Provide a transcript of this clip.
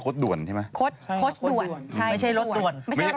โค้ชด่วนใช่ไหมโค้ชด่วนไม่ใช่รถด่วนนะโค้ชด่วนไม่ใช่รถด่วน